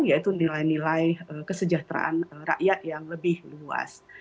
yaitu nilai nilai kesejahteraan rakyat yang lebih luas